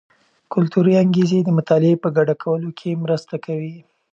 کلتوري انګیزې د مطالعې په ګډه کولو کې مرسته کوي.